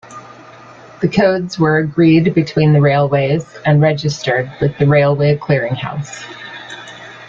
The codes were agreed between the railways and registered with the Railway Clearing House.